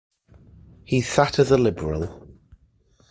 He sat as a Liberal.